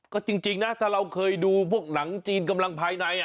ก็จริงนะถ้าเราเคยดูพวกหนังจีนกำลังภายใน